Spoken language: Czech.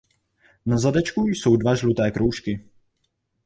Na zadečku jsou dva žluté kroužky.